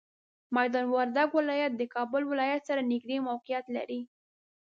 میدان وردګ ولایت د کابل ولایت سره نږدې موقعیت لري.